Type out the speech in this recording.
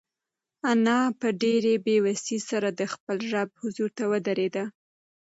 انا په ډېرې بېوسۍ سره د خپل رب حضور ته ودرېده.